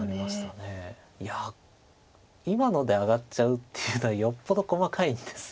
いや今ので上がっちゃうっていうのはよっぽど細かいんです。